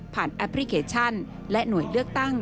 แอปพลิเคชันและหน่วยเลือกตั้ง